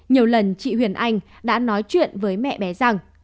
nhiều lần chị huyền anh đã nói chuyện với mẹ bé rằng